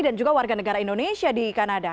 dan juga warga negara indonesia di kanada